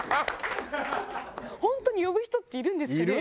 本当に呼ぶ人っているんですかね。